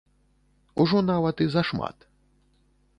Ужо нават і зашмат.